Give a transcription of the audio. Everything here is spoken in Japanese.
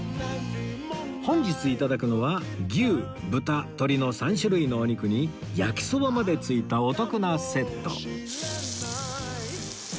本日いただくのは牛豚鶏の３種類のお肉に焼きそばまで付いたお得なセット